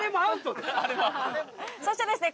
そしてですね